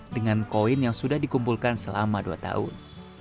dengan koin yang sudah dikumpulkan selama dua tahun